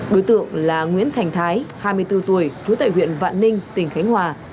đối tượng là nguyễn thành thái hai mươi bốn tuổi trú tại huyện vạn ninh tỉnh khánh hòa